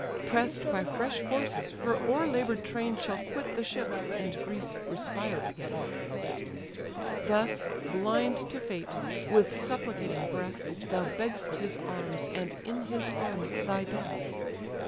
Press'd by fresh forces, her o'erlabour'd train Shall quit the ships, and Greece respire again." Thus, blind to fate! with supplicating breath, Thou begg'st his arms, and in his arms thy death.